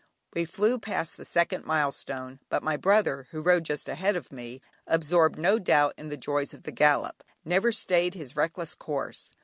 We flew past the second milestone, but my brother, who rode just ahead of me, absorbed no doubt in the joys of the gallop, never stayed his reckless course.